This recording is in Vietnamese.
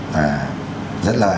và rất là